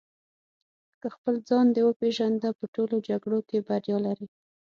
که خپل ځان دې وپېژنده په ټولو جګړو کې بریا لرې.